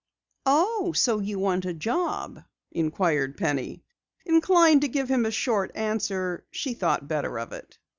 "Oh, so you want a job?" inquired Penny. Inclined to give him a short answer, she thought better of it.